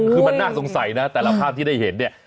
คือมันน่าสงสัยนะแต่ละภาพที่ได้เห็นเนี่ย